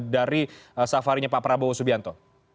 dari safarinya pak prabowo subianto